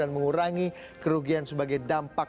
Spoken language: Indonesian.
mengurangi kerugian sebagai dampak